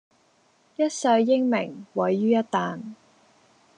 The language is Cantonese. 一世英名毀於一旦